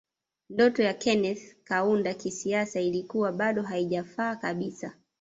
Ndoto ya Kenneth Kaunda kisiasa ilikuwa bado haijafa kabisa